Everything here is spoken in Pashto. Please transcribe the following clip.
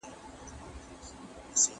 ¬ چي هوسۍ نيسي د هغو تازيانو خولې توري وي.